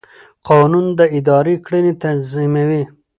قانون د ادارې کړنې تنظیموي.